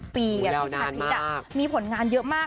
ปีพี่ชาคริสมีผลงานเยอะมาก